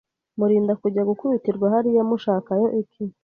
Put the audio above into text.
Murinda kujya gukubitirwa hariya mushakayo iki